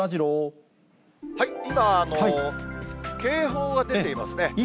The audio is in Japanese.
今、警報が出ていますね。